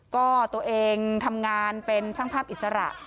ก็ตัวเองทำงานเป็นช่างภาพอิสระ